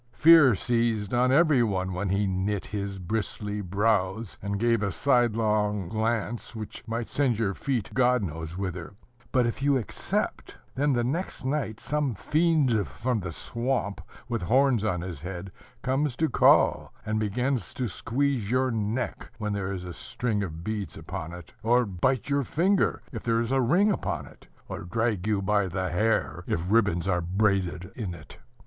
Fear seized on every one when he knit his bristly brows, and gave a sidelong glance which might send your feet, God knows whither; but if you accept, then the next night some fiend from the swamp, with horns on his head, comes to call, and begins to squeeze your neck, when there is a string of beads upon it; or bite your finger, if there is a ring upon it; or drag you by the hair, if ribbons are braided in it.